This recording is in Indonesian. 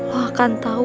lo akan tau